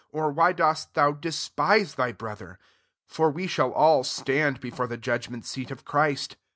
or why dosi thou despise thy brother? for we shall all stand before the jud^ ment seat of Christ.